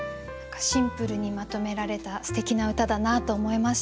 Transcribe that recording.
シンプルにまとめられたすてきな歌だなと思いました。